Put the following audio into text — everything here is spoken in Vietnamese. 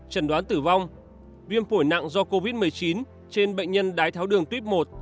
trần đoán tử vong viêm phổi nặng do covid một mươi chín trên bệnh nhân đái tháo đường tuyếp một